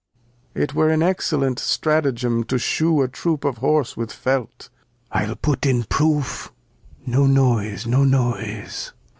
It were an excellent Stratagem to shoe a Troop of Horse with Felt, I'U put in proof. no Noise, no Noise.